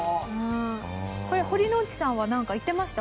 これ堀之内さんはなんか言ってました？